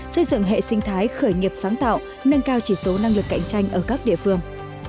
xây dựng hệ sinh thái khởi nghiệp sáng tạo nâng cao chỉ số năng lực cạnh tranh ở các địa phương